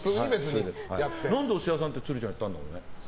何でお寿司屋さんって鶴ちゃん言ったんだろう。